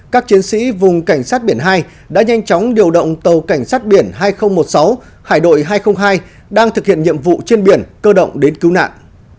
các chiến sĩ vùng cảnh sát biển hai đã nhanh chóng điều động tàu cảnh sát biển hai nghìn một mươi sáu hải đội hai trăm linh hai đang thực hiện nhiệm vụ trên biển cơ động đến cứu nạn